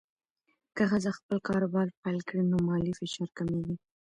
که ښځه خپل کاروبار پیل کړي، نو مالي فشار کمېږي.